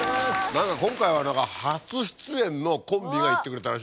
何か今回は初出演のコンビが行ってくれたらしいですよ。